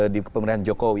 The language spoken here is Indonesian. di pemerintahan jokowi